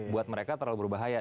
buat mereka terlalu berbahaya